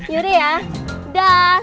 yaudah ya dah